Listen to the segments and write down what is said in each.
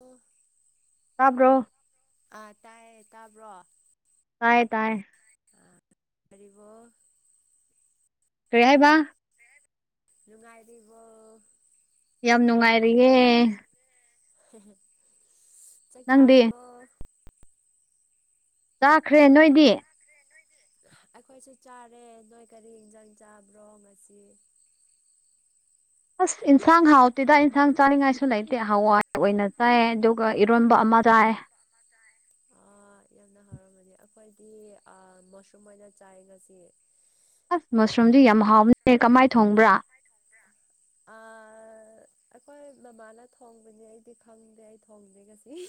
ꯎ ꯇꯥꯕ꯭ꯔꯣ ꯑꯥ ꯇꯥꯏꯌꯦ ꯇꯥꯕ꯭ꯔꯣ ꯍꯥꯏꯥꯏ ꯇꯥꯏ ꯄꯔꯤꯕ ꯀꯔꯤ ꯍꯥꯏꯕ ꯂꯅꯨꯡꯉꯥꯏꯗꯤꯕ ꯌꯥꯝ ꯅꯨꯡꯉꯥꯏꯔꯤꯌꯦꯦ ꯆ ꯅꯪꯗꯤ ꯆꯔꯔꯕ ꯆꯥꯈ꯭ꯔꯦ ꯅꯣꯏꯗꯤ ꯑꯩꯈꯣꯏꯁꯨ ꯆꯥꯔꯦ ꯅꯣꯏ ꯀꯔꯤ ꯏꯟꯖꯥꯡ ꯆꯥꯕ꯭ꯔꯣ ꯉꯁꯤ [inaudible] ꯑꯁ ꯏꯟꯁꯥꯡ ꯍꯥꯎꯇꯦꯗ ꯏꯟꯁꯥꯡ ꯆꯥꯅꯤꯡꯉꯥꯏꯁꯨ ꯂꯩꯇꯦ ꯍꯋꯥꯏ ꯑꯣꯏꯅ ꯆꯥꯏ ꯑꯗꯨꯒ ꯏꯔꯣꯟꯕ ꯑꯃ ꯃꯖꯥꯑ ꯑꯥ ꯌꯥꯝꯅ ꯍꯥꯎꯔꯝꯃꯅꯤ ꯑꯩꯈꯣꯏꯗꯤ ꯃꯁꯔꯨꯝ ꯑꯣꯏꯅ ꯆꯥꯏꯒꯁꯤ ꯑꯁ ꯃꯁꯔꯨꯝꯗꯤ ꯌꯥꯝ ꯍꯥꯎꯅꯦ ꯀꯃꯥꯏ ꯊꯣꯡꯕ꯭ꯔꯥ ꯑ ꯑꯩꯈꯣꯏ ꯃꯃꯥꯅ ꯊꯣꯡꯕꯅꯦ ꯑꯩꯗꯤ ꯈꯪꯗꯦ ꯑꯩ ꯊꯣꯡꯗꯦ ꯉꯁꯤ [inaudible]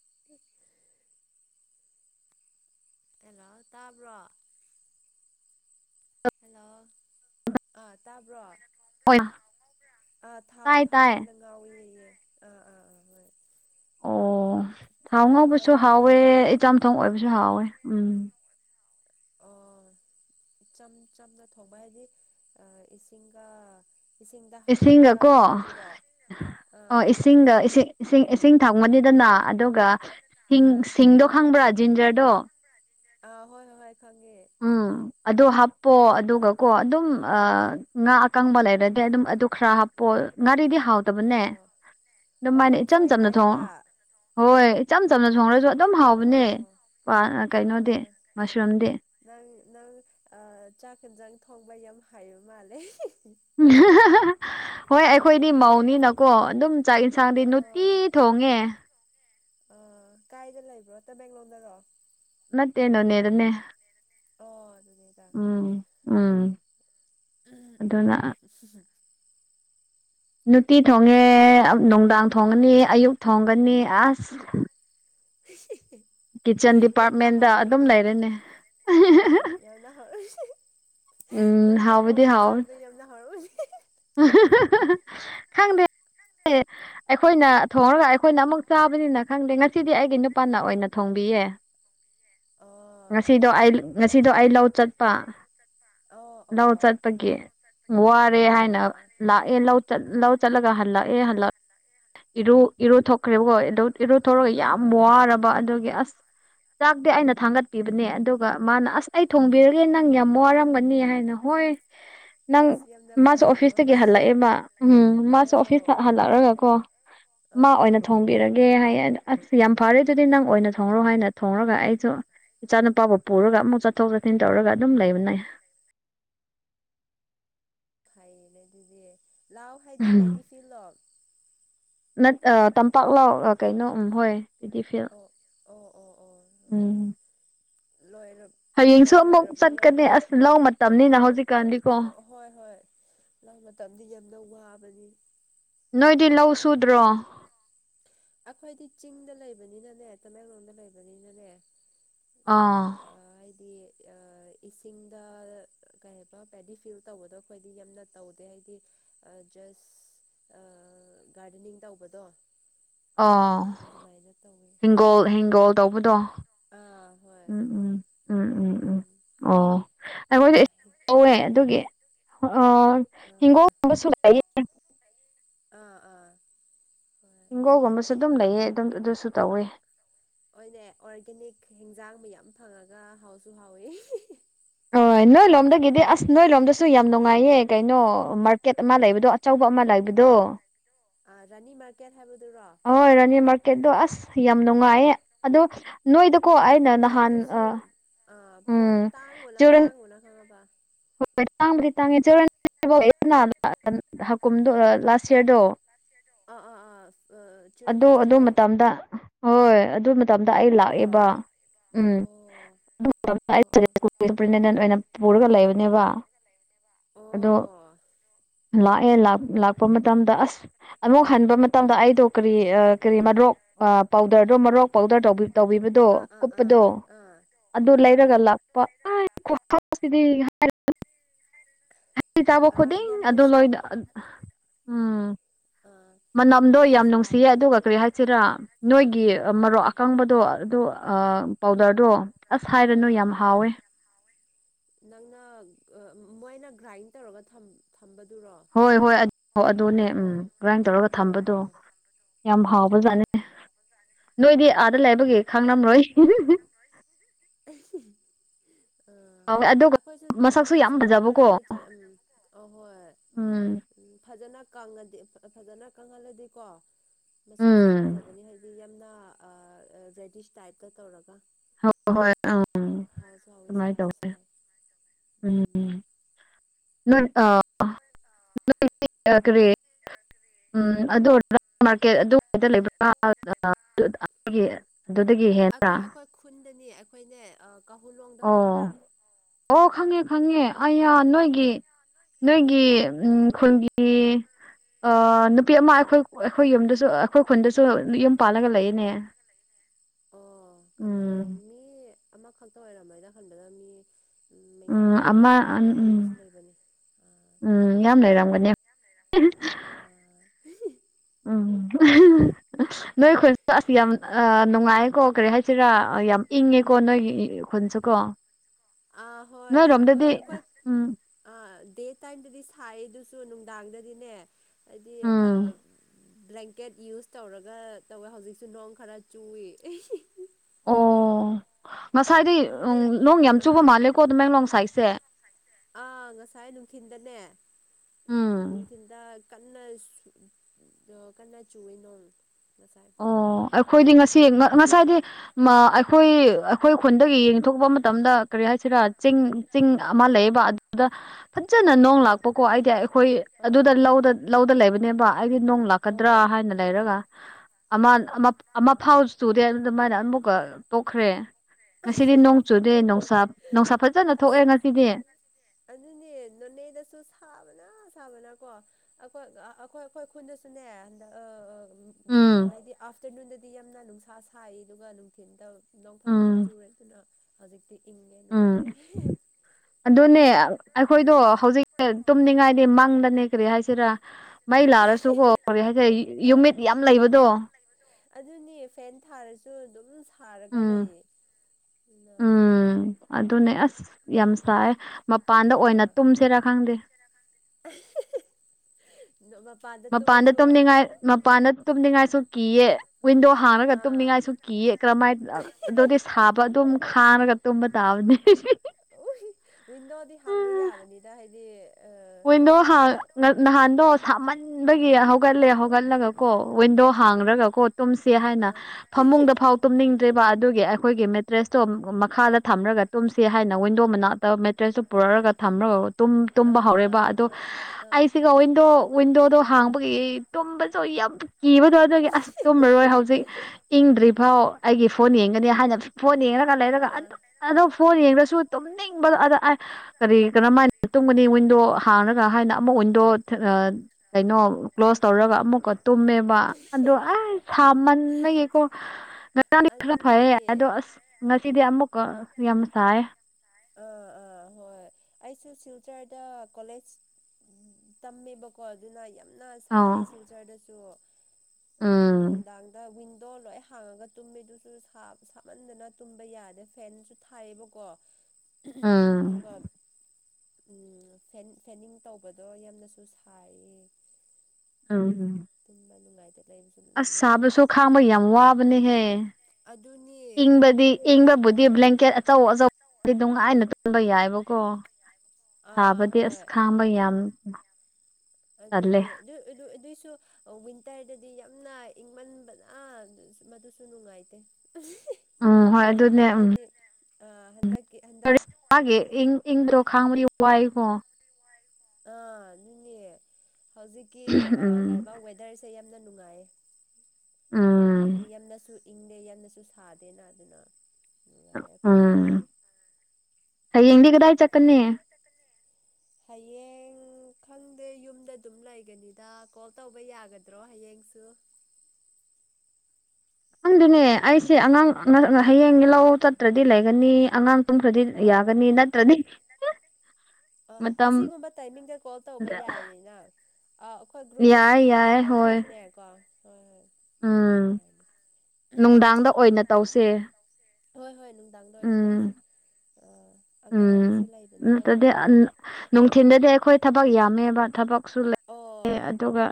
ꯑꯣ ꯍꯂꯣ ꯇꯥꯕ꯭ꯔꯣ ꯍꯜꯂꯣ ꯑꯥ ꯇꯥꯕ꯭ꯔꯣ ꯍꯣꯏ ꯑꯥꯥꯎ ꯇꯥꯏ ꯊꯥꯎ ꯇꯥꯏ ꯑꯣꯏꯅ ꯉꯥꯎꯋꯤꯌꯦꯌꯦ ꯑꯥ ꯑꯥ ꯑꯥ ꯍꯣꯏ ꯑꯣ ꯊꯥꯎ ꯉꯧꯕꯁꯨ ꯍꯥꯎꯋꯦ ꯏꯆꯝꯊꯣꯡ ꯑꯣꯏꯕꯁꯨ ꯍꯥꯎꯋꯦ ꯎꯝ ꯑꯣ ꯏꯆꯝ ꯆꯝꯅ ꯊꯣꯡꯕ ꯍꯥꯏꯗꯤ ꯏꯁꯤꯡꯒ ꯏꯁꯤꯡꯗ ꯏꯁꯤꯡꯒ ꯍꯥꯞꯄꯒ ꯀꯣ ꯊꯣꯡꯕꯗꯨꯔꯣ ꯑꯣ ꯑꯥ ꯏꯁꯤꯡꯒ ꯏꯁꯤꯡ ꯏꯁꯤꯡ ꯏꯁꯤꯡ ꯊꯪꯕꯅꯤꯗꯅ ꯑꯗꯨꯒ ꯑꯥ ꯁꯤꯡꯗꯣ ꯈꯪꯕ꯭ꯔꯥ ꯖꯤꯟꯖꯔꯗꯣ ꯑ ꯍꯣꯏ ꯍꯣꯏ ꯈꯪꯉꯦ ꯎꯝ ꯑꯗꯨ ꯍꯥꯞꯄꯣ ꯎꯝ ꯑꯗꯨꯒꯀꯣ ꯑꯗꯨꯝ ꯑꯥ ꯉꯥꯛ ꯀꯪꯕ ꯂꯩꯔꯗꯤ ꯑꯗꯨꯝ ꯑꯗꯨ ꯈꯔ ꯍꯥꯞꯄꯣꯑꯣ ꯉꯥꯔꯤꯗꯤ ꯍꯥꯎꯗꯕꯅꯦ ꯑꯣ ꯑꯣ ꯑꯗꯨꯃꯥꯏꯅ ꯏꯆꯝ ꯀꯥꯡꯁꯣꯏ ꯆꯝꯅ ꯊꯣꯡ ꯇꯥꯏꯞꯇ ꯍꯣꯏ ꯏꯆꯝ ꯆꯝꯅ ꯊꯣꯡꯉ꯭ꯔꯁꯨ ꯑꯗꯨꯝ ꯍꯥꯎꯕꯅꯦ ꯑꯣ ꯑ ꯀꯩꯅꯣꯗꯤ ꯃꯁꯔꯨꯝꯗꯤ ꯅꯪ ꯅꯪ ꯆꯥꯛ ꯌꯦꯟꯁꯥꯡ ꯊꯣꯡꯕ ꯌꯥꯝ ꯍꯥꯏꯌꯨ ꯃꯥꯜꯂꯦ ꯍꯣꯏ ꯑꯩꯈꯣꯏꯗꯤ ꯃꯧꯅꯤꯅꯀꯣ ꯑꯗꯨꯝ ꯆꯥꯛ ꯌꯦꯟꯁꯥꯡꯗꯤ ꯅꯨꯡꯇꯤ ꯊꯣꯡꯉꯦ ꯑ ꯀꯥꯏꯗ ꯂꯩꯕ꯭ꯔꯣ ꯇꯃꯦꯡꯂꯣꯡꯗꯔꯣ ꯃꯦ ꯅ ꯅꯦ ꯑꯗꯨꯅꯦꯦ ꯑꯣ ꯑꯗꯨꯅꯦꯗ ꯎꯝ ꯎꯝ ꯑꯗꯨꯗꯅ ꯎꯝ ꯅꯨꯡꯇꯤ ꯊꯣꯡꯉꯦ ꯎꯝ ꯅꯨꯡꯗꯥꯡ ꯊꯣꯡꯒꯅꯤ ꯑꯌꯨꯛ ꯊꯣꯡꯒꯅꯤ ꯑꯥ ꯑꯁ ꯀꯤꯠꯆꯟ ꯌꯥꯝꯅ ꯗꯤꯄꯥꯔꯠꯃꯦꯟꯗ ꯑꯗꯨꯝ ꯍꯥꯎꯔꯝꯃꯅꯤ ꯂꯩꯔꯅꯦ ꯑꯥ ꯌꯥꯝꯅ ꯍꯥꯎꯔ ꯎꯝ ꯅꯪꯅ ꯍꯕꯗꯤ ꯊꯣꯡꯕ ꯍꯥꯎ ꯆꯥꯛꯗꯣ ꯌꯥꯝꯅ ꯍꯥꯎꯔꯝꯃꯅꯤ ꯈꯪꯗꯦ ꯑꯩꯈꯣꯏꯅ ꯊꯣꯡꯉꯒ ꯑꯩꯈꯣꯏꯅ ꯑꯃꯨꯛ ꯆꯥꯕꯅꯤꯅ ꯈꯪꯗꯦ ꯉꯁꯤꯗꯤ ꯑꯩꯒꯤ ꯅꯨꯄꯥꯅ ꯑꯣꯏꯅ ꯊꯣꯡꯕꯤ [inaudible] ꯑꯣ ꯉꯁꯤꯗꯣ ꯑꯩ ꯅꯪ ꯉꯁꯤꯗꯣ ꯑꯩ ꯂꯧ ꯆꯠꯄ ꯑꯣ ꯂꯧ ꯑꯣ ꯆꯠꯄꯒꯤ ꯋꯥꯔꯦ ꯍꯥꯏꯅ ꯑꯥ ꯂꯥꯛꯑꯦ ꯂꯧ ꯂꯧ ꯆꯠꯂꯒ ꯍꯜꯂꯛꯑꯦ ꯍꯜꯂꯛꯦ ꯏꯔꯨ ꯏꯔꯨ ꯊꯣꯛꯈ꯭ꯔꯦꯕꯀꯣ ꯏꯔꯨ ꯊꯧꯔꯒ ꯑꯥ ꯌꯥꯝ ꯑꯥ ꯋꯥꯔꯕ ꯑꯗꯨꯒꯤ ꯑꯁ ꯆꯥꯛꯇꯤ ꯑꯩꯅ ꯊꯥꯡꯒꯠꯄꯤꯕꯅꯦ ꯑꯗꯨꯒ ꯃꯥꯅ ꯑꯁ ꯑꯩ ꯊꯣꯡꯕꯤꯔꯒꯦ ꯅꯪ ꯌꯥꯝ ꯋꯥꯔꯝꯒꯅꯤ ꯍꯥꯏꯅ ꯍꯣꯏ ꯅꯪ ꯑꯁ ꯌꯥꯝꯅ ꯃꯥꯁꯨ ꯐꯩꯌꯦꯉꯣ ꯑꯣꯐꯤꯁꯇꯒꯤ ꯍꯜꯂꯛꯑꯦꯕ ꯎꯝ ꯃꯥꯁꯨ ꯑꯣ ꯑꯣꯐꯤꯁꯇ ꯍꯜꯂꯛꯂꯒ ꯑꯣꯣ ꯃꯥ ꯑꯣ ꯑꯣꯏꯅ ꯊꯣꯡꯕꯤꯔꯒꯦ ꯍꯥꯏꯌꯦ ꯑꯗ ꯑꯁ ꯌꯥꯝ ꯐꯔꯦ ꯑꯗꯨꯗꯤ ꯅꯪ ꯑꯣꯏꯅ ꯊꯣꯡꯔꯣ ꯍꯥꯏꯅ ꯊꯣꯡꯡꯂꯒ ꯑꯩꯁꯨ ꯏꯆꯥ ꯅꯨꯨꯄꯥꯕꯨ ꯄꯨꯔꯒ ꯑꯃꯨꯛ ꯆꯠꯊꯣꯛ ꯆꯠꯁꯤꯟ ꯇꯧꯔꯒ ꯑꯗꯨꯝ ꯂꯩꯕꯅꯦ [inaudible] ꯍꯥꯏꯌꯦꯅꯦ ꯑꯗꯨꯗꯤ ꯂꯑꯣ ꯍꯥꯏꯗꯤ ꯄꯦꯗꯤꯐꯤꯂꯣ ꯇꯝꯄꯥꯛ ꯂꯥꯎ ꯀꯩꯅꯣ ꯍꯣꯏ ꯄꯗꯤ ꯐꯤꯜ ꯑꯣ ꯑꯣ ꯑꯣ ꯑꯣ ꯎꯝ ꯂꯣꯏ ꯍꯌꯦꯡꯁꯨ ꯑꯃꯨꯛ ꯂꯣꯏꯔꯕ ꯂ ꯆꯠꯀꯅꯤ ꯑꯁ ꯂꯧ ꯑꯣ ꯃꯇꯝꯅꯤꯅ ꯍꯧꯖꯤꯛꯀꯥꯟꯗꯤꯀꯣ ꯍꯣꯏ ꯍꯣꯏ ꯂ ꯃꯇꯝꯗꯤ ꯌꯥꯝꯗ ꯋꯥꯕꯅꯤ ꯅꯣꯏꯗꯤ ꯂꯧ ꯁꯨꯗ꯭ꯔꯣ ꯑꯩꯈꯣꯏꯗꯤ ꯆꯤꯡꯗ ꯂꯩꯕꯅꯤꯅꯅꯦ ꯇꯃꯦꯡꯂꯣꯡꯗ ꯂꯩꯕꯅꯤꯅꯅꯦ ꯑꯥ ꯑ ꯏꯁꯤꯡꯗ ꯀꯩ ꯍꯥꯏ ꯍꯥꯏ ꯍꯥꯏꯗꯤ ꯐꯤꯜ ꯇꯧꯕꯗꯣ ꯑꯩꯈꯣꯏꯗꯤ ꯌꯥꯝꯅ ꯇꯧꯗꯦ ꯍꯥꯏꯗꯤ ꯖꯁ ꯒꯥꯔꯗꯦꯅꯤꯡ ꯇꯧꯕꯗꯣ ꯑ ꯑꯗꯨꯃꯥꯏꯅ ꯇꯧꯋꯤ ꯍꯤꯡꯒꯣꯜ ꯍꯤꯡꯒꯣꯜ ꯇꯧꯕꯗꯣ ꯑꯥ ꯍꯣꯏ ꯎꯝ ꯎꯝ ꯎꯝ ꯎꯝ ꯎꯝ ꯑꯣ ꯑꯩꯈꯣꯏꯗ ꯂꯧꯧꯋꯦ ꯑꯗꯨꯒꯤ ꯑ ꯑꯥ ꯍꯣ ꯑꯥ ꯑꯥ ꯍꯣꯏ ꯍꯤꯡꯒꯣꯜꯒꯨꯝꯕꯁꯨ ꯑꯗꯨꯝ ꯂꯩꯑ ꯑꯗꯨꯝ ꯑꯗꯨꯁꯨ ꯇꯧꯋꯤ ꯍꯅꯦ ꯑꯣꯔꯒꯦꯅꯤꯛ ꯍꯤꯟꯖꯥꯡ ꯃꯌꯥꯝ ꯐꯪꯉꯒ ꯍꯥꯎꯁꯨ ꯍꯥꯎꯋꯤ ꯍ ꯅꯣꯏ ꯂꯣꯝꯗꯒꯤꯗꯤ ꯑꯁ ꯅꯣꯏ ꯂꯣꯝꯗꯁꯨ ꯌꯥꯝ ꯅꯨꯡꯉꯥꯏꯌꯦ ꯀꯩꯅꯣ ꯃꯥꯔꯀꯦꯠ ꯑꯃ ꯂꯩꯕꯗꯣ ꯑꯆꯧꯕ ꯑꯃ ꯂꯩꯕꯗ ꯑꯗꯨꯣ ꯑ ꯔꯅꯤ ꯃꯥꯀꯦ ꯍꯣꯏ ꯔꯥꯅꯤ ꯃꯥꯔꯀꯦꯠꯇꯗꯣ ꯑꯁ ꯌꯥꯝ ꯅꯨꯡꯉꯥꯏꯌꯦ ꯑꯗꯣ ꯅꯣꯏꯗꯀꯣ ꯌꯥꯝ ꯑꯩꯅ ꯅꯨꯡꯉꯥꯏ ꯅꯍꯥꯟ ꯑꯗꯨꯁꯨ ꯄꯣꯠ ꯎꯝ ꯇꯥꯡꯒꯣꯅ ꯇꯥꯡꯒꯣꯅ ꯈꯥꯉꯕ ꯍꯣꯏ ꯇꯥꯡꯔꯤ ꯇꯥꯡꯦ ꯆ ꯍꯥꯀꯨꯝꯗꯣ ꯂꯥꯁ ꯏꯌꯥꯔꯗꯣ ꯑ ꯑ ꯑꯥ ꯑꯥ ꯆꯤꯜꯗ꯭ꯔꯦꯟ ꯑꯗꯨ ꯑꯗꯨ ꯐꯦꯁꯇꯤꯚꯦꯜ ꯃꯇꯝꯗ ꯍꯣꯏ ꯑꯗꯨ ꯃꯇꯝꯗ ꯑꯩ ꯄꯨ꯭ꯔꯣ ꯂꯥꯛꯑꯦꯕ ꯎꯝ ꯑꯣ ꯑꯣ ꯄꯨꯔꯒ ꯂꯩꯕꯅꯦꯕ ꯑꯣ ꯑꯗꯣ ꯑꯣ ꯂꯥꯛꯑꯦ ꯂꯥꯛꯄ ꯃꯇꯝꯗ ꯑꯁ ꯑꯃꯨꯛ ꯍꯟꯕ ꯃꯇꯝꯗ ꯑꯩꯗꯣ ꯀꯔꯤ ꯀꯔꯤ ꯃꯔꯗ꯭ꯔꯣꯛ ꯄꯥꯎꯗꯔ ꯃꯔꯣꯛ ꯃꯔꯣꯛ ꯄꯥꯎꯗꯔ ꯑꯥ ꯇꯧꯕꯤꯕꯗꯣ ꯑꯥ ꯀꯨꯞꯄꯗꯣ ꯑꯥ ꯑꯥ ꯑꯗꯨ ꯑꯥ ꯂꯩꯔꯒ ꯂꯥꯛꯄ ꯆꯥꯕ ꯑꯥ ꯈꯨꯗꯤꯡ ꯑꯗꯨ ꯌꯥꯝꯅꯁꯨ ꯂꯣꯏ ꯎꯝ ꯑꯥ ꯃꯅꯝꯗꯣ ꯌꯥꯝꯅꯁꯨ ꯌꯥꯝ ꯅꯨꯡꯁꯤꯌꯦ ꯁꯥꯕꯅꯤ ꯑꯗꯨꯒ ꯀꯔꯤ ꯍꯥꯏꯁꯤꯔꯥ ꯅꯣꯏꯒꯤ ꯎꯝ ꯃꯔꯣꯛ ꯑꯀꯪꯕꯗꯣ ꯑꯗꯨ ꯄꯥꯎꯗꯔꯗꯣ ꯑꯁ ꯍꯥꯏꯔꯅꯨ ꯑꯥ ꯌꯥꯝ ꯑꯥ ꯍꯥꯎꯋꯦ ꯅꯪꯅ ꯃꯣꯏꯅ ꯒ꯭ꯔꯥꯏꯟ ꯇꯧꯔꯒ ꯊꯝꯕꯗꯨꯔꯣ ꯍꯣꯏ ꯍꯣꯏ ꯑꯗꯨ ꯑꯗꯨꯅꯦ ꯎꯝ ꯑꯣ ꯀꯃꯥꯏꯅ ꯇꯧꯔꯒ ꯑꯣ ꯊꯝꯕꯗꯣ ꯑꯣ ꯑꯥ ꯌꯥꯝ ꯑꯥ ꯍꯥꯎꯕꯖꯥꯠꯅꯤ ꯅꯣꯏꯗꯤ ꯑꯥꯗ ꯑꯥ ꯂꯩꯕꯒꯤ ꯈꯥꯡꯂꯝꯝꯔꯣꯏ [unintelligible] ꯎꯝ ꯍꯥꯎꯋꯦ ꯑꯗꯨꯒ ꯑꯩꯈꯣꯏꯁꯨ ꯃꯁꯛꯁꯨ ꯌꯥꯝ ꯑꯩꯈꯣꯏꯁꯨ ꯄꯥꯎꯗꯔ ꯑꯣꯏꯅ ꯐꯖꯕꯀꯣ ꯎꯝ ꯑ ꯍꯣꯏ ꯎꯝ ꯎ ꯐꯖꯅꯥ ꯪꯉꯗꯤ ꯐꯖꯅ ꯀꯪꯍꯜꯂꯗꯤ ꯀꯣ ꯃꯁꯛꯁꯨ ꯎꯝ ꯐꯖꯕꯅꯤ ꯍꯥꯏꯗꯤ ꯌꯥꯝꯅ ꯔꯦꯗꯤꯁ ꯇꯥꯏꯞꯇ ꯇꯧꯔꯒ ꯍ ꯍꯣꯏ ꯑꯝ ꯍꯥꯎꯁꯨ ꯍꯥꯎꯋꯤ ꯑꯗꯨꯃꯥꯏꯅ ꯁꯥꯁꯨ ꯇꯧꯋꯦ ꯁꯥꯏ ꯎꯝ ꯎꯝ ꯑ ꯀ ꯎꯝ ꯑꯗꯨ ꯃꯥꯔꯀꯦꯠ ꯑꯗꯨ ꯂꯩꯕ꯭ꯔꯥ ꯑꯗꯨꯗꯒꯤ ꯑꯩꯈꯣꯏ ꯍꯦꯟꯅ ꯑꯩꯈꯣꯏ ꯈꯨꯟꯗꯅꯤ ꯑꯩꯈꯣꯏꯅꯦ ꯀꯍꯨꯜꯂꯣꯡꯗ ꯈꯪꯕ꯭ꯔꯥ ꯑꯣ ꯑꯣ ꯑꯥ ꯈꯪꯉꯦ ꯈꯪꯉꯦ ꯀꯥꯍꯨꯂꯣꯡ ꯑꯩ ꯅꯣꯏꯒꯤ ꯑꯥ ꯅꯣꯏꯒꯤ ꯎꯝ ꯈꯨꯟꯕꯤ ꯑ ꯅꯨꯄꯤ ꯑꯃ ꯑꯩꯈꯣꯏ ꯑꯩꯈꯣꯏ ꯌꯨꯝꯗꯁꯨ ꯑꯩꯈꯣꯏ ꯈꯨꯟꯗꯁꯨ ꯌꯨꯝ ꯄꯥꯜꯂꯒ ꯂꯩꯌꯦꯅꯦ ꯑꯣ ꯀꯅꯥꯅꯣ ꯎꯝ ꯃꯤ ꯑꯃꯈꯛꯇ ꯑꯣꯏꯔꯝꯃꯅ ꯈꯟꯕꯗ ꯃꯤ ꯎꯝ ꯃꯌꯥꯝ ꯑꯃ ꯎꯝ ꯅꯣꯅꯦꯗꯁꯨ ꯂꯩꯕꯅꯤ ꯑꯥ ꯎꯝ ꯌꯥꯝ ꯂꯩꯔꯝꯒꯅꯤ ꯑ ꯍ ꯎꯝ ꯅꯣꯏꯈꯣꯏꯁꯨ ꯑꯁꯤꯁ ꯌꯥꯝ ꯅꯨꯡꯉꯥꯏ ꯀꯣ ꯀꯔꯤ ꯍꯥꯏꯁꯤꯔꯥ ꯌꯥꯝ ꯏꯪꯉꯦꯀꯣ ꯅꯣꯏꯒꯤ ꯈꯨꯟꯁꯨ ꯀꯣ ꯑꯥ ꯍꯣꯏ ꯅꯣꯏꯔꯣꯝꯗꯗꯤ ꯑꯈꯣꯏ ꯑꯈꯣꯏ ꯎꯝ ꯑ ꯗꯦ ꯇꯥꯏꯝꯗꯗꯤ ꯁꯥꯏꯗꯨꯁꯨ ꯗꯨꯝ ꯅꯨꯡꯗꯥꯡꯗꯗꯤꯅꯦ ꯍꯥꯏꯗꯤ ꯑ ꯎꯝ ꯕ꯭ꯂꯦꯡꯀꯦꯠ ꯌꯨꯁ ꯇꯧꯔꯒ ꯇꯧꯋꯦ ꯍꯧꯖꯤꯛꯁꯨ ꯅꯣꯡ ꯈꯔ ꯆꯨꯏ ꯑꯣ ꯉꯁꯥꯏꯗꯩ ꯅꯣꯅꯦ ꯅꯣꯡ ꯌꯥꯝ ꯆꯨꯕ ꯑꯥ ꯃꯥꯜꯂꯦꯀꯣ ꯇꯃꯦꯡꯂꯣꯡ ꯁꯥꯏꯠꯁꯦ ꯑꯥ ꯉꯁꯥꯏ ꯅꯨꯡꯊꯤꯟꯗꯅꯦ ꯎꯝ ꯅꯨꯡꯊꯤꯟꯗ ꯀꯟꯅ ꯆꯨ ꯀꯟꯅ ꯆꯨꯏꯌꯦ ꯅꯣꯡ ꯉꯁꯥꯏ ꯑꯣ ꯑꯈꯣꯏꯗꯤ ꯉꯁꯤ ꯉꯁꯥꯏꯗꯤ ꯑꯈꯣꯏ ꯑꯈꯣꯏ ꯈꯨꯟꯗꯒꯤ ꯌꯦꯡꯊꯣꯛꯄ ꯃꯇꯝꯗ ꯀꯔꯤ ꯍꯥꯏꯁꯤꯔꯥ ꯆꯤꯡ ꯆꯤꯡ ꯑꯃ ꯂꯩꯌꯦꯕ ꯑꯗꯨꯗ ꯐꯖꯅ ꯅꯣꯡ ꯑꯥ ꯂꯥꯛꯄꯀꯣ ꯑꯩꯗꯤ ꯑꯩꯈꯣꯏ ꯑꯥ ꯑꯗꯨꯗ ꯑꯥ ꯂꯧ ꯂꯧꯗ ꯂꯩꯕꯅꯦꯕ ꯑꯩꯗꯤ ꯅꯣꯡ ꯂꯥꯛꯀꯗ꯭ꯔꯥ ꯑꯣ ꯍꯥꯏꯅ ꯂꯩꯔꯒ ꯑꯃ ꯑꯥ ꯑꯃ ꯐꯥꯎꯁꯨ ꯆꯨꯗꯦ ꯑꯗꯨꯃꯥꯏꯅ ꯑꯃꯨꯛꯀ ꯇꯣꯛꯈ꯭ꯔꯦ ꯉꯁꯤꯗꯤ ꯅꯣꯡ ꯆꯨꯗꯦ ꯅꯣꯡꯁꯥ ꯅꯣꯡꯁꯥ ꯐꯖꯅ ꯊꯣꯛꯑꯦ ꯑꯁ ꯉꯁꯤꯗꯤ ꯑꯗꯨꯅꯦ ꯅꯣꯅꯦꯗꯁꯨ ꯁꯥꯕꯅ ꯁꯥꯕꯅ ꯀꯣ ꯑꯈꯣꯏ ꯑꯈꯣꯏ ꯑꯈꯣꯏ ꯈꯨꯟꯗꯁꯨ ꯅꯦ ꯑ ꯎ ꯎꯝ ꯍꯥꯏꯗꯤ ꯑꯥꯐꯇꯔꯅꯨꯟꯗꯗꯤ ꯌꯥꯝꯅ ꯅꯨꯡꯁꯥ ꯁꯥꯏ ꯑꯗꯨꯒ ꯅꯨꯡꯊꯤꯟꯗ ꯅꯣꯡ ꯐꯖꯅ ꯎꯝ ꯆꯨꯔꯦ ꯑꯗꯨꯅ ꯍꯧꯖꯤꯛꯇꯤ ꯏꯪꯉꯦ ꯎꯝ ꯅꯨꯡꯉꯥꯏꯔꯦ ꯑꯗꯨ ꯑꯗꯨꯅꯦ ꯑꯩꯈꯣꯏꯗꯣ ꯍꯧꯖꯤꯛ ꯇꯨꯝꯅꯤꯡꯉꯥꯏꯗꯤ ꯃꯪꯗꯅꯦ ꯀꯔꯤ ꯍꯥꯏꯁꯤꯔꯥ ꯃꯩ ꯂꯥꯛꯔꯁꯨꯀꯣ ꯀꯔꯤ ꯍꯥꯏ ꯇꯔꯦ ꯎꯝ ꯑꯥ ꯌꯨꯃꯤꯠ ꯌꯥꯝ ꯂꯩꯕꯗꯣ ꯑꯗꯨꯅꯦ ꯐꯦꯟ ꯊꯥꯔꯁꯨ ꯑꯗꯨꯝ ꯊꯥꯔꯒ ꯎꯝ ꯂꯩꯌꯦ ꯑ ꯎꯝ ꯑꯗꯨꯅꯦ ꯑꯁ ꯌꯥꯝ ꯁꯥꯏ ꯃꯄꯥꯟꯗ ꯑꯣꯏꯅ ꯇꯨꯝꯁꯤꯔꯥ ꯈꯪꯗꯦ ꯃꯄꯥꯟꯗ ꯇꯨꯝꯅꯤꯡꯉꯥꯏ ꯃꯄꯥꯟꯗ ꯇꯨꯝꯅꯤꯡꯉꯥꯏꯁꯨ ꯀꯤꯌꯦ ꯋꯤꯟꯗꯣ ꯍꯥꯡꯉꯒ ꯑꯥ ꯇꯨꯝꯅꯤꯡꯉꯥꯏꯁꯨ ꯀꯤ ꯌꯦ ꯀꯔꯝꯍꯥꯏꯅ ꯑꯗꯨꯗꯤ ꯁꯥꯕ ꯑꯗꯨꯝ ꯈꯥꯡꯉꯒ ꯇꯨꯝꯕ ꯇꯥꯕꯅꯦ ꯋꯤꯟꯗꯣꯗꯤ ꯍꯥꯡꯕ ꯌꯥꯕꯅꯤꯗ ꯍꯥꯏꯗꯤ ꯋꯤꯟꯗꯣ ꯍꯥ ꯑꯥ ꯅꯍꯥꯟꯗꯣ ꯁꯥꯃꯟꯕꯒꯤ ꯑꯥ ꯑꯥ ꯍꯧꯒꯠꯂꯦ ꯍꯧꯒꯠꯂꯒ ꯀꯣ ꯋꯤꯟꯗꯣ ꯑꯥ ꯑꯥ ꯍꯥꯡꯔꯒ ꯀꯣ ꯇꯨꯝꯁꯦ ꯍꯥꯏꯅ ꯐꯃꯨꯡꯗ ꯐꯥꯎ ꯇꯨꯝꯅꯤꯡꯗ꯭ꯔꯦꯕ ꯑꯗꯨꯒꯤ ꯑ ꯑꯈꯣꯏꯒꯤ ꯃꯦꯇ꯭ꯔꯦꯁꯇꯣ ꯃꯈꯥꯗ ꯊꯝꯔꯒ ꯇꯨꯝꯁꯤ ꯍꯥꯏꯅ ꯋꯤꯟꯗꯣ ꯃꯅꯥꯛꯇ ꯃꯦꯇ꯭ꯔꯦꯁꯇꯨ ꯄꯨꯔꯛꯑꯒ ꯊꯝꯃꯒ ꯇꯨꯝꯕ ꯑꯥ ꯍꯧꯔꯦꯕ ꯑꯗꯣ ꯑꯩꯁꯤꯒ ꯋꯤꯟꯗꯣ ꯗꯣ ꯋꯤꯟꯗꯣꯗꯣ ꯍꯥꯡꯕꯒꯤ ꯇꯨꯝꯕꯁꯨ ꯌꯥꯝ ꯀꯤꯕꯗꯣ ꯑꯗꯨꯒꯤ ꯑꯁ ꯇꯨꯝꯔꯔꯣꯏ ꯍꯧꯖꯤꯛ ꯏꯪꯗ꯭ꯔꯤꯐꯥꯎ ꯑꯩꯒꯤ ꯐꯣꯟ ꯌꯦꯡꯒꯅꯤ ꯍꯥꯏꯅ ꯐꯣꯟ ꯌꯦꯡꯉꯒ ꯑꯥ ꯑꯥ ꯂꯩꯔꯒ ꯑꯗꯨꯝ ꯑꯣ ꯐꯣꯟ ꯌꯦꯡꯁꯨ ꯁꯨ ꯇꯨꯝꯅꯤꯡꯕ ꯑꯗ ꯀꯔꯤ ꯀꯔꯝꯥꯏꯅ ꯇꯨꯝꯒꯅꯤ ꯋꯤꯟꯗꯣ ꯍꯥꯡꯔꯒ ꯍꯥꯏꯅ ꯑꯃꯨꯛ ꯋꯤꯟꯗꯣ ꯀꯩꯅꯣ ꯀ꯭ꯂꯣꯖ ꯇꯧꯔꯒ ꯑꯃꯨꯛꯀ ꯇꯨꯝꯃꯦꯕ ꯑꯗꯣ ꯑꯩ ꯁꯥꯃꯟꯕꯒꯤꯀꯣ ꯍꯧꯖꯤꯛ ꯀꯥꯟꯗꯤ ꯈꯔ ꯑꯗꯨꯅꯦ ꯐꯩꯌꯦ ꯑꯗꯣ ꯑꯁ ꯉꯁꯤꯗꯤ ꯑꯃꯨꯛꯀ ꯌꯥꯝ ꯁꯥꯏ ꯑꯥ ꯑꯥ ꯍꯣꯏ ꯑꯩꯁꯨ ꯁꯤꯜꯆꯔꯗ ꯀꯣꯂꯦꯖ ꯇꯝꯃꯦꯕꯀꯣ ꯑꯗꯨꯅ ꯌꯥꯝ ꯌꯥꯝꯅ ꯁꯥꯏ ꯑꯧ ꯁꯤꯜꯆꯔꯗꯁꯨ ꯎꯝ ꯅꯨꯡꯃꯤꯗꯥꯡꯗ ꯑꯗꯣ ꯂꯣꯏ ꯍꯥꯡꯉꯒ ꯇꯨꯝꯃꯤꯗꯨꯁꯨ ꯁꯥꯞꯃꯟꯗꯅ ꯇꯨꯝꯕ ꯌꯥꯗ ꯐꯦꯟꯁꯨ ꯊꯥꯏꯌꯦꯕꯀꯣ ꯑꯥ ꯎꯝ ꯐꯅꯤꯡ ꯐꯦꯟꯅꯤꯡ ꯇꯧꯕꯗꯣ ꯌꯥꯝꯅꯁꯨ ꯁꯥꯏꯌꯦ ꯎꯝ ꯇꯨꯝꯕ ꯅꯨꯡꯉꯥꯏꯇꯦ ꯂꯩꯕꯁꯨ ꯑꯁ ꯅꯨꯡꯉꯥꯏꯇꯦ ꯁꯥꯥꯕꯁꯨ ꯈꯥꯡꯕ ꯌꯥꯝ ꯋꯥꯕꯅꯦ ꯍꯦ ꯑꯗꯨꯅꯦ ꯏꯪꯕꯗꯤ ꯌꯥꯝꯅ ꯏꯪꯕꯕꯨꯗꯤ ꯋꯥꯏꯑꯦ ꯕ꯭ꯂꯦꯡꯀꯦꯠ ꯑꯆꯧ ꯑꯆꯧꯕꯗꯤ ꯅꯨꯡ ꯇꯨꯝ ꯈꯟꯕ ꯌꯥꯏꯕꯀꯣ ꯑꯥ ꯁꯥꯕꯗꯤ ꯑꯁ ꯍꯣꯏ ꯈꯥꯡꯕ ꯌꯥꯝ ꯇꯜꯂꯦ ꯑꯗꯨꯅꯦ ꯑꯗꯨ ꯑꯗꯨ ꯑꯗꯨꯏꯁꯨ ꯋꯤꯟꯇꯔꯗꯗꯤ ꯌꯥꯝꯅ ꯏꯪꯃꯟꯕꯅ ꯃꯗꯨꯁꯨ ꯅꯨꯡꯉꯥꯏꯇꯦ ꯎꯝ ꯍꯣꯏ ꯑꯗꯨꯅꯦ ꯎꯝ ꯑ ꯍꯟꯗꯛ ꯀꯔꯤ ꯃꯒꯤ ꯏꯪ ꯏꯪꯕꯗꯣ ꯈꯥꯡꯕꯗꯤ ꯋꯥꯏꯌꯀꯣ ꯑ ꯑꯗꯨꯅꯦ ꯍꯧꯖꯤꯛꯀꯤ ꯎꯝ ꯀꯩ ꯋꯦꯗꯔꯁꯦ ꯌꯥꯝꯅ ꯅꯨꯡꯉꯥꯏ ꯑ ꯎꯝ ꯌꯥꯝꯅꯁꯨ ꯆꯤꯡꯗꯦ ꯌꯥꯝꯅꯁꯨ ꯁꯥꯗꯦꯅ ꯑꯗꯨꯅ ꯅꯨꯡꯉꯥꯏꯔꯦ ꯑꯩꯈꯣꯏ ꯎꯝ ꯈꯨꯟꯗꯗꯤ ꯍꯌꯦꯡꯗꯤ ꯀꯗꯥꯏ ꯆꯠꯀꯟꯅ ꯍꯥꯏꯌꯦꯡ ꯈꯪꯗꯦ ꯌꯨꯝꯗ ꯑꯗꯨꯝ ꯂꯩꯒꯅꯤꯗ ꯀꯣꯜ ꯇꯧꯕ ꯌꯥꯒꯗ꯭ꯔꯣ ꯍꯌꯦꯡꯁꯨ [inaudible] ꯪꯗꯨꯅꯦ ꯍꯜꯂꯣ ꯑꯩꯁꯦ ꯑꯉꯥꯡ ꯍꯌꯦꯡ ꯌꯦꯤꯜꯍꯧ ꯆꯠꯇ꯭ꯔꯗꯤ ꯂꯩꯒꯅꯤ ꯑꯉꯥꯡ ꯇꯨꯝꯈ꯭ꯔꯗꯤ ꯑꯣ ꯌꯥꯒꯅꯤ ꯅꯠꯇ꯭ꯔꯗꯤ ꯑ ꯃꯇꯝ ꯑꯁꯤꯒꯨꯝꯕ ꯇꯥꯏꯃꯤꯡꯗ ꯀꯣꯜ ꯇꯧꯕ ꯌꯥꯏꯅꯤꯅ ꯑ ꯑꯩꯈꯣꯏ ꯒ꯭ꯔꯨꯞꯇꯁꯨ ꯌꯥꯏ ꯌꯥꯏ ꯍꯣꯏ ꯍꯥꯏꯔꯒꯅꯦ ꯀꯣ ꯎꯝ ꯅꯨꯡꯗꯥꯡꯗ ꯑꯣꯏꯅ ꯇꯧꯁꯦ ꯍꯣꯏ ꯍꯣꯏ ꯅꯨꯡꯗꯥꯡꯗ ꯑꯣꯏꯅ ꯇꯧꯁꯤ ꯎꯝ ꯑꯉꯥꯡꯁꯨ ꯎꯝ ꯂꯩꯕꯅꯤꯅꯀꯣ ꯅꯠꯇꯗꯤ ꯅꯪ ꯅꯨꯡꯊꯤꯤꯟꯗꯗꯤ ꯑꯩꯈꯣꯏ ꯊꯕꯛ ꯌꯥꯝꯃꯦꯕ ꯊꯕꯛ ꯁꯨ ꯑꯣ ꯂꯩꯦ ꯑꯗꯨꯒ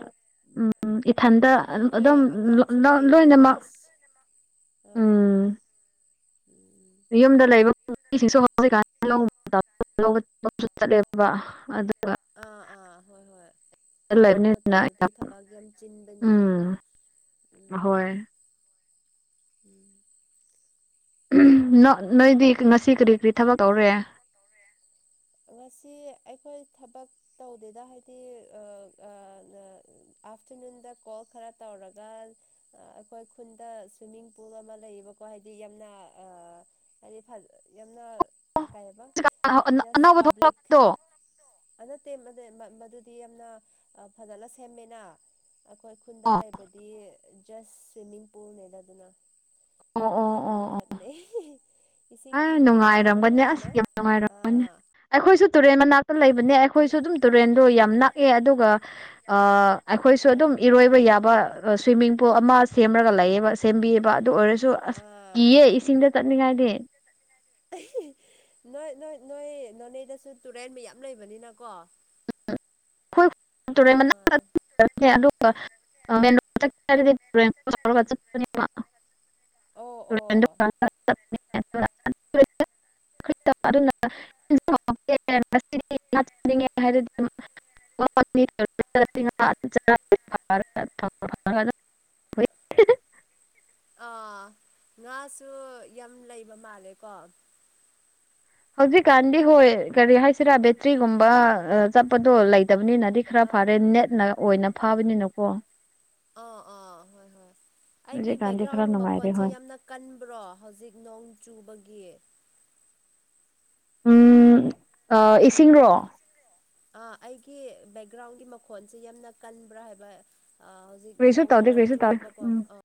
ꯎ ꯏꯊꯟꯇ ꯑꯗꯨꯅꯦ ꯑꯗꯨꯝ ꯑꯉꯥꯡꯁꯨ ꯂꯩꯌꯦ ꯂꯣꯏꯅꯃꯛ ꯄ꯭ꯂꯁ ꯑꯥ ꯎꯝ ꯎꯝ ꯌꯨꯝꯗ ꯂꯩꯕꯁꯤꯡꯁꯨ ꯍꯩ ꯠꯂꯦꯕ ꯑꯥ ꯑꯥ ꯍꯣꯏ ꯍꯣꯏ ꯂꯥꯛ ꯂꯩꯕꯅꯤꯅ ꯃꯇꯝꯗꯗꯤ ꯊꯕꯛ ꯌꯥꯝ ꯆꯤꯟꯕꯅꯦ ꯎꯝ ꯎꯝ ꯍꯣꯏ ꯎꯝ ꯅꯣꯏꯗꯤ ꯉꯁꯤ ꯀꯔꯤ ꯀꯔꯤ ꯊꯕꯛ ꯇꯧꯔꯦ ꯉꯁꯤ ꯑꯩꯈꯣꯏ ꯊꯕꯛ ꯇꯧꯗꯦꯗ ꯍꯥꯏꯗꯤ ꯑꯥꯐꯇꯔꯅꯨꯟꯗ ꯀꯣꯜ ꯈꯔ ꯇꯧꯔꯒ ꯑꯩꯈꯣꯏ ꯈꯨꯟꯗ ꯁ꯭ꯋꯤꯃꯤꯡ ꯄꯨꯜ ꯑꯃ ꯂꯩꯌꯦꯕ ꯀꯣ ꯍꯥꯏꯗꯤ ꯌꯥꯝꯅ ꯑ ꯍꯥꯏꯗꯤ ꯌꯥꯝꯅ ꯃ ꯑꯅꯧꯕ ꯊꯣꯛꯂꯛꯄꯗꯣ ꯌꯥꯝꯅ ꯐꯖꯅ ꯁꯦꯝꯃꯦꯅ ꯑꯩꯈꯣꯏ ꯈꯨꯟꯗ ꯑꯣ ꯂꯩꯕꯗꯤ ꯖꯁ ꯁ꯭ꯋꯤꯃꯤꯡ ꯄꯨꯜꯅꯦꯗ ꯑꯗꯨꯅ ꯑꯣ ꯑꯣ ꯑꯗꯨꯝ ꯑꯣ ꯑꯣ ꯆꯠꯂ ꯏꯁꯤꯡ ꯑ ꯏꯪꯕꯅ ꯅꯨꯡꯉꯥꯏꯔꯝꯒꯅꯤ ꯑꯁ ꯅꯨꯡꯉꯥꯏꯕꯅ ꯌꯥꯝ ꯅꯨꯡꯉꯥꯏꯔꯝꯒꯅꯤ ꯑꯥ ꯑꯩꯈꯣꯏꯁꯨ ꯇꯨꯔꯦꯟ ꯃꯅꯥꯛꯇ ꯂꯩꯕ ꯅꯦ ꯑꯩꯈꯣꯏꯁꯨ ꯑꯗꯨꯝ ꯇꯨꯔꯦꯟꯗꯣ ꯌꯥꯝ ꯅꯛꯑꯦ ꯑꯗꯨꯒ ꯑꯩꯈꯣꯏꯁꯨ ꯑꯥ ꯑꯗꯨꯝ ꯏꯔꯣꯏꯕ ꯌꯥꯕ ꯁ꯭ꯋꯤꯃꯤꯡ ꯄꯨꯜ ꯑꯃ ꯁꯦꯝꯃꯒ ꯂꯩꯕ ꯁꯦꯝꯕꯤꯌꯦꯕ ꯑꯗꯨ ꯑꯣꯏꯔꯁꯨ ꯑꯁ ꯑꯥ ꯀꯤꯌꯦ ꯏꯁꯤꯡꯗ ꯆ ꯉꯥꯏꯗꯦ ꯅꯣꯏ ꯅꯣꯏ ꯅꯣꯏ ꯅꯣꯅꯦꯗꯁꯨ ꯇꯨꯔꯦꯟ ꯃꯌꯥꯝ ꯂꯩꯕꯅꯤꯅꯀꯣ [inaudible] ꯍꯈꯣꯏ ꯇꯨꯔꯦ ꯑꯥ ꯑꯗꯨꯒ ꯑꯣ ꯑꯣ [inaudible] ꯍꯥꯏꯗꯤ [unintelligible] ꯍꯣꯏ [inaudible] ꯑꯥ ꯉꯥꯁꯨ ꯌꯥꯝ ꯂꯩꯕ ꯃꯥꯜꯂꯦꯀꯣ ꯍꯧꯖꯤꯛꯀꯥꯟꯗꯤ ꯍꯣꯏ ꯀꯔꯤ ꯍꯥꯏꯁꯤꯔꯥ ꯕꯦꯇ꯭ꯔꯤꯒꯨꯝꯕ ꯆꯠꯄꯗꯣ ꯂꯩꯇ ꯂꯩꯇꯕꯅꯤꯅꯗꯤ ꯈꯔ ꯑꯥ ꯐꯥꯔꯦ ꯅꯦꯠꯅ ꯑꯣꯏꯅ ꯐꯥꯕꯅꯤꯅꯀꯣ ꯑ ꯑ ꯍ ꯍꯣꯏ ꯑꯩꯒꯤ ꯍꯧꯖꯤꯛꯀꯥꯟꯗꯤ ꯈꯔ ꯕꯦꯛꯒ꯭ꯔꯥꯎꯟ ꯅꯨꯡꯉꯥꯏꯔꯦ ꯃꯈꯣꯟꯁꯦ ꯍꯣꯏ ꯌꯥꯝꯅ ꯀꯟꯕ꯭ꯔꯣ ꯍꯧꯖꯤꯛ ꯅꯣꯡ ꯆꯨꯕꯒꯤ [inaudible] ꯎꯝ ꯏꯁꯤꯡꯔꯣ ꯑ ꯑꯩꯒꯤ ꯕꯦꯛꯒ꯭ꯔꯥꯎꯟꯒꯤ ꯃꯈꯣꯟꯁꯦ ꯌꯥꯝꯅ ꯀꯟꯕ꯭ꯔꯥ ꯍꯥꯏꯕ ꯍꯧꯖꯤꯛ ꯀꯁꯨ ꯅꯣꯡ ꯇꯗꯦ ꯈꯔ ꯀ꯭ꯔꯁ ꯇ ꯆꯨꯑꯦꯕꯀꯣ ꯎꯝ ꯑꯥ